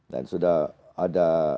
dan sudah ada